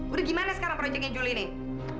udah gimana sekarang projectnya juli nih